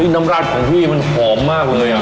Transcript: น้ำรัดของพี่มันหอมมากเลย